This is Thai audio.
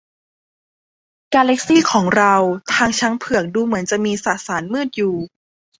กาแลคซีของเราทางช้างเผือกดูเหมือนจะมีสสารมืดอยู่